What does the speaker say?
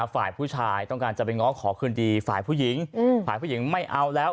ฝ่ายผู้ชายต้องการจะไปง้อขอคืนดีฝ่ายผู้หญิงฝ่ายผู้หญิงไม่เอาแล้ว